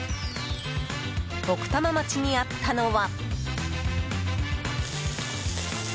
奥多摩町にあったのは。